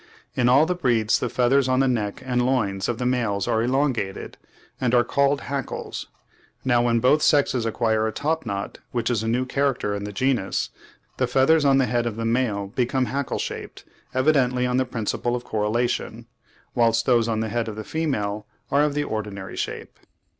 In all the breeds the feathers on the neck and loins of the males are elongated, and are called hackles; now when both sexes acquire a top knot, which is a new character in the genus, the feathers on the head of the male become hackle shaped, evidently on the principle of correlation; whilst those on the head of the female are of the ordinary shape.